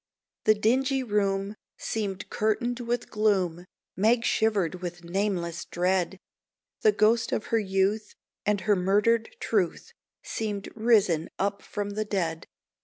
The dingy room seemed curtained with gloom; Meg shivered with nameless dread. The ghost of her youth and her murdered truth Seemed risen up from the dead.